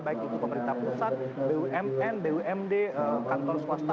baik itu pemerintah pusat bumn bumd kantor swasta